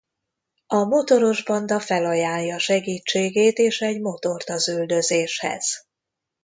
A motoros banda felajánlja segítségét és egy motort az üldözéshez.